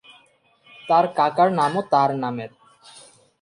তার কাকার নামও তার নামের।